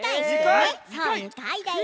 そう２かいだよ。